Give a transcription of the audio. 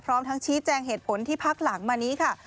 พร้อมทั้งชี้แจงเหตุผลที่พักหลังมานี้ค่ะ